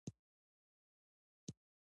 بدخشان د افغانانو د فرهنګي پیژندنې برخه ده.